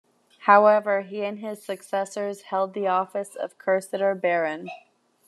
However, he and his successors held the office of Cursitor Baron.